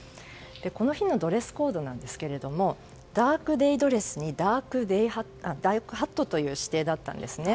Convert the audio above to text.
この日のドレスコードなんですけれどもダークデイドレスにダークハットという指定だったんですね。